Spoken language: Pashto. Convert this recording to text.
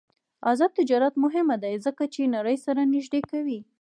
آزاد تجارت مهم دی ځکه چې نړۍ سره نږدې کوي.